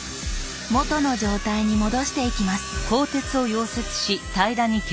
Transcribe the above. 元の状態に戻していきます。